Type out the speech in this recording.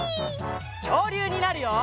きょうりゅうになるよ！